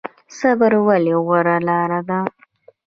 صبر ولې غوره لاره ده؟